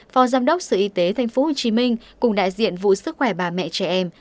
phó giám đốc sở y tế tp hcm cùng đại diện vụ sức khỏe bà mẹ trẻ em